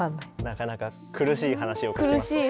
なかなか苦しい話を描きますね。